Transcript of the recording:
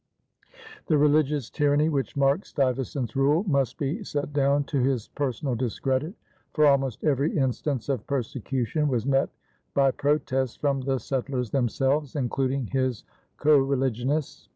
The religious tyranny which marked Stuyvesant's rule must be set down to his personal discredit, for almost every instance of persecution was met by protest from the settlers themselves, including his coreligionists.